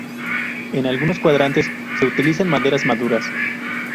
En algunos cuadrantes se utilizan maderas maduras.